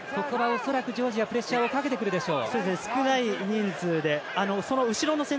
ジョージアはプレッシャーかけてくるでしょう。